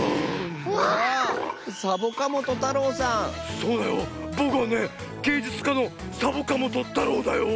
そうだよ。ぼくはねげいじゅつかのサボかもとたろうだよ。